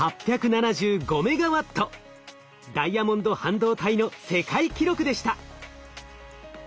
ダイヤモンド半導体の世界記録でした。